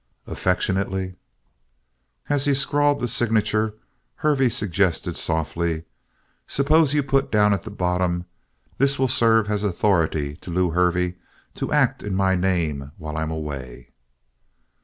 Affectionately," As he scrawled the signature Hervey suggested softly: "Suppose you put down at the bottom: 'This will serve as authority to Lew Hervey to act in my name while I'm away.'"